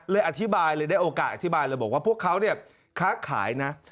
อธิบายเลยได้โอกาสอธิบายเลยบอกว่าพวกเขาเนี่ยค้าขายนะ